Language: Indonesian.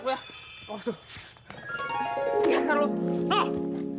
nuh liat dong